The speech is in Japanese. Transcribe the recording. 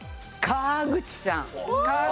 川口さん。